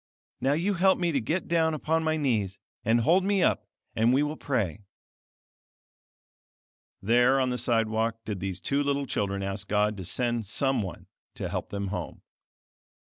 Now you help me to get down upon my knees, and hold me up, and we will pray." There on the side walk did these two little children ask God to send some one to help them home.